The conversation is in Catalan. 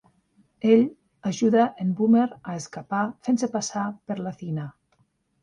Ell ajuda en Boomer a escapar fent-se passar per l'Athena.